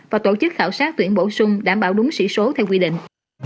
và tổ chức khảo sát tuyển bổ sung đảm bảo đúng sĩ số theo quy định